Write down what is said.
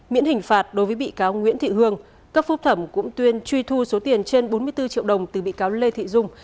miễn hình phạt đối với bị cáo nguyễn thị hương cấp phúc thẩm cũng tuyên truy thu số tiền trên bốn mươi bốn triệu đồng từ bị cáo lê thị dung